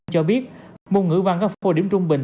cho biết môn ngữ văn có phổ điểm trung bình